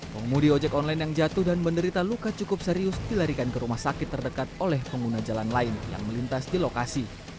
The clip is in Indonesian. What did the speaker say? pengumudi ojek online yang jatuh dan menderita luka cukup serius dilarikan ke rumah sakit terdekat oleh pengguna jalan lain yang melintas di lokasi